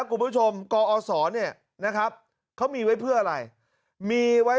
คุณผู้ชมกอศเนี่ยนะครับเขามีไว้เพื่ออะไรมีไว้